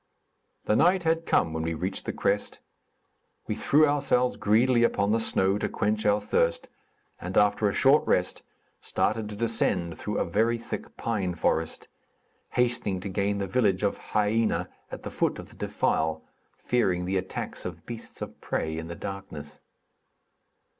The night had come when we reached the crest; we threw ourselves greedily upon the snow to quench our thirst; and after a short rest, started to descend through a very thick pine forest, hastening to gain the village of Haïena, at the foot of the defile, fearing the attacks of beasts of prey in the darkness.